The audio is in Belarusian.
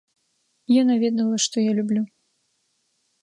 Яна ведала, што я люблю.